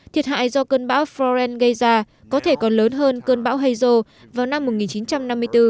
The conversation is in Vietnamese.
thiệt hại do cơn bão forren gây ra có thể còn lớn hơn cơn bão heijo vào năm một nghìn chín trăm năm mươi bốn